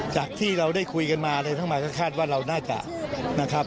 จากที่เราได้คุยกันมาเลยเข้ามาก็คาดว่าเราน่าจะ